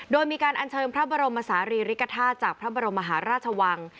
โดยมีการอัญเชิญพระบรมศาลีริกฐาตุจากพระบรมมหาราชวัง